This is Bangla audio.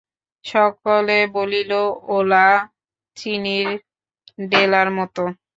সকলে বলিল, ওলা-চিনির ডেলার মত।